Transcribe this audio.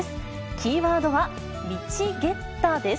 キーワードはミチゲッタです。